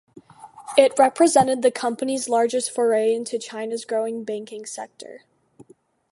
It represented the company's largest foray into China's growing banking sector.